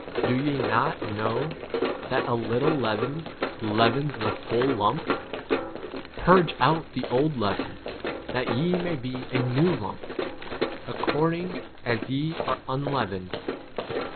Do ye not know that a little leaven leavens 7 the whole lump ? Purge w out the old leaven, that ye may be a new lump, according as ye are un leavened.